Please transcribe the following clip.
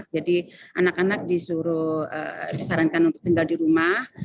jadi anak anak disuruh disarankan untuk tinggal di rumah